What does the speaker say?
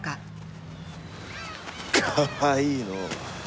かわいいのう。